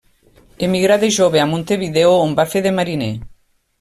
Emigrà de jove a Montevideo, on va fer de mariner.